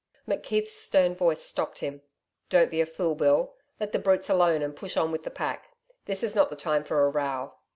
McKeith's stern voice stopped him. 'Don't be a fool, Bill. Let the brutes alone and push on with the pack. This is not the time for a row.